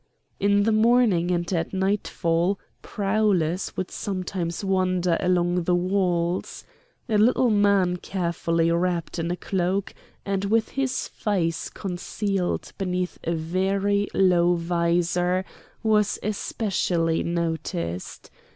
In the morning and at nightfall prowlers would sometimes wander along the walls. A little man carefully wrapped in a cloak, and with his face concealed beneath a very low visor, was especially noticed.